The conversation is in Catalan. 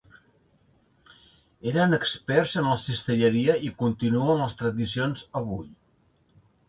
Eren experts en la cistelleria i continuen les tradicions avui.